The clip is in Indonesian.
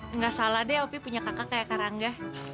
nggak salah deh opi punya kakak kayak karangga